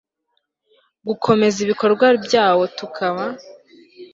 gukomeza ibikorwa byawo tukaba